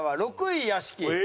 ６位屋敷。